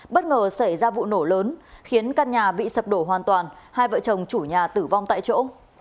bất ngờ xảy ra vụ nổ lớn khiến căn nhà bị sập đổ hoàn toàn hai vợ chồng chủ nhà tử vong tại chỗ